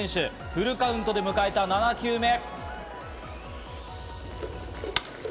フルカウントで迎えた７球目。